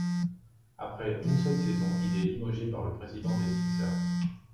Après une seule saison, il est limogé par le président des Sixers.